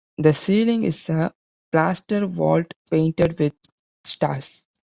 The ceiling is a plaster vault painted with stars.